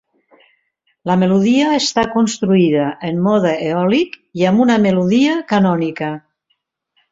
La melodia està construïda en mode eòlic i amb una melodia canònica.